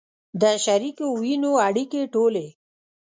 د شریکو وینو اړیکې ټولې